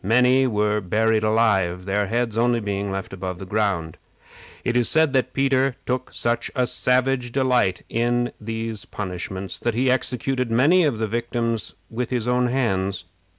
Many were buried alive, their heads only being left above the ground. It is said that Peter took such a savage delight in these punishments, that he executed many of the victims with his own hands.